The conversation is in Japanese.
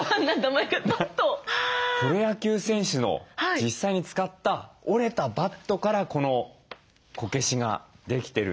プロ野球選手の実際に使った折れたバットからこのこけしができてるんですって。